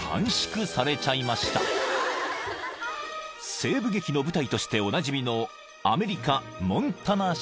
［西部劇の舞台としておなじみの］